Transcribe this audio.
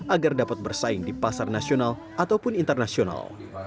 agar dapat bersaing di pasar nasional ataupun internasional